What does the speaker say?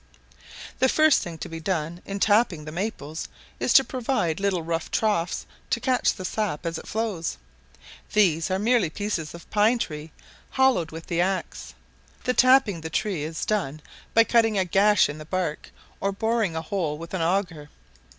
The first thing to be done in tapping the maples, is to provide little rough troughs to catch the sap as it flows: these are merely pieces of pine tree, hollowed with the axe. The tapping the tree is done by cutting a gash in the bark, or boring a hole with an auger.